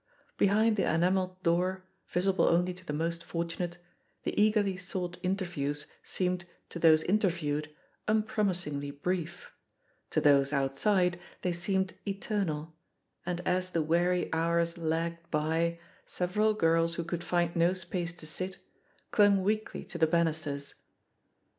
Behind the enamelled door, visible only to the most fortunate, the eagerly sought interviews seemed, to those interviewed, unpromisingly brief; to those outside, they seemed eternal, and as the weary hours lagged by, several girls who could find no space to sit, climg weakly to the banisters.